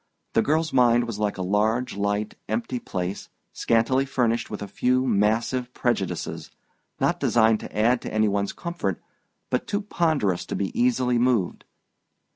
The girl's mind was like a large light empty place, scantily furnished with a few massive prejudices, not designed to add to any one's comfort but too ponderous to be easily moved.